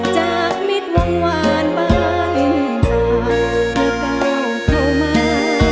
จากมิตรวงวานบ้านจากพระเก้าเข้ามา